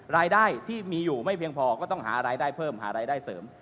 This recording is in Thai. รายได้ที่มีอยู่ไม่เพียงพอก็ต้องหารายได้เพิ่มหารายได้เสริม